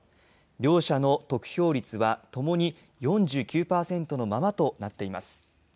両者の得票率はともに４９％のままとなっています。